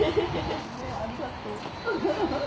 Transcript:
ありがとう。